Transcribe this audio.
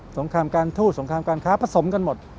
งครามการทูตสงครามการค้าผสมกันหมด